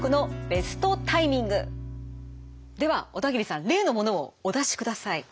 では小田切さん例のものをお出しください。